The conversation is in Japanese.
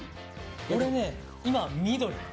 俺ね今緑。